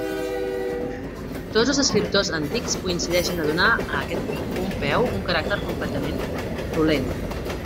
Tots els escriptors antics coincideixen a donar a aquest Pompeu un caràcter completament dolent.